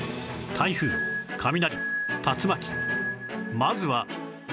まずは